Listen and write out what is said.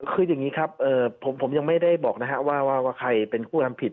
คืออย่างนี้ครับผมยังไม่ได้บอกนะครับว่าใครเป็นผู้ทำผิด